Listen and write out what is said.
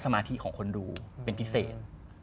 มาธิของคนดูเป็นพิเศษ